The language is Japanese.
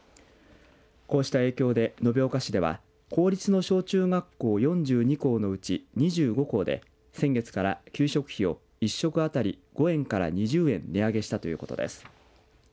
こうした影響で、延岡市では公立の小中学校４２校のうち２５校で、先月から給食費を１食あたり５円から２０円値上げしたということです。